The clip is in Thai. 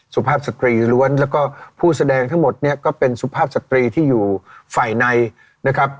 สุภาพสตรีล้วนแล้วก็ผู้แสดงทั้งหมดเนี่ยก็เป็นสุภาพสตรีที่อยู่ฝ่ายในนะครับ